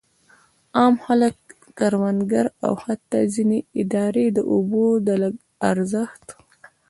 عام خلک، کروندګر او حتی ځینې ادارې د اوبو د ارزښت.